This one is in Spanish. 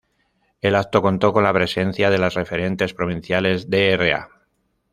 El acto contó con la presencia de las referentes provinciales Dra.